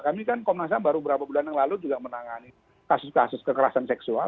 kami kan komnas ham baru beberapa bulan yang lalu juga menangani kasus kasus kekerasan seksual